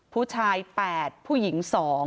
ผู้ชาย๘ผู้หญิง๒